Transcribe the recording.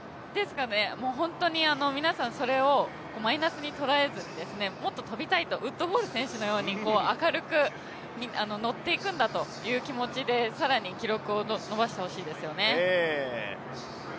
皆さんそれをマイナスに捉えずに、もっと跳びたいとウッドホール選手のように明るくのっていくんだという気持ちで更に記録を伸ばしてほしいですよね。